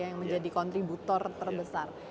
yang menjadi kontributor terbesar